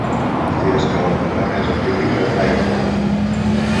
La petita escala del drama és típica d'Ayckbourn.